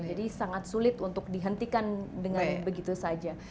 jadi sangat sulit untuk dihentikan dengan begitu saja